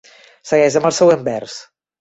Segueix amb el següent vers.